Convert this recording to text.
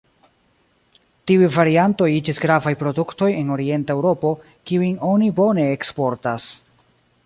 Tiuj variantoj iĝis gravaj produktoj en Orienta Eŭropo kiujn oni bone eksportas.